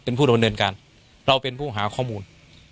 เป็นผู้ดำเนินการเราเป็นผู้หาข้อมูล